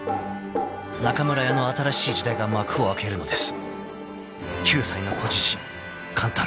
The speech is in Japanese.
［中村屋の新しい時代が幕を開けるのです］